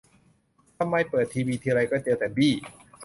ทำไมเปิดทีวีทีไรก็เจอแต่บี้